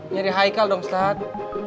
nyari haikel dong ustad